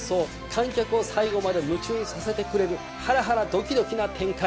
観客を最後まで夢中にさせてくれるハラハラドキドキな展開。